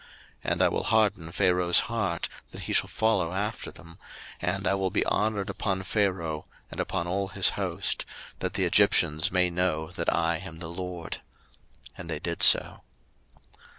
02:014:004 And I will harden Pharaoh's heart, that he shall follow after them; and I will be honoured upon Pharaoh, and upon all his host; that the Egyptians may know that I am the LORD. And they did so.